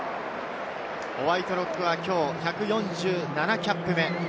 ホワイトロックはきょう１４７キャップ目。